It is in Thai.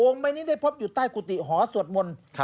ใบนี้ได้พบอยู่ใต้กุฏิหอสวดมนต์